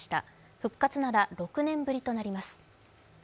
復活なら６年ぶりとなります。